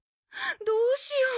どうしよう。